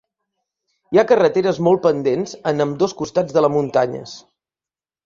Hi ha carreteres molt pendents en ambdós costats de la muntanya.